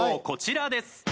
こちらです。